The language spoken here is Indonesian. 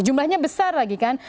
jumlahnya besar lagi kan